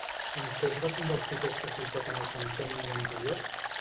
En què es va convertir aquesta ciutat en el centenni anterior?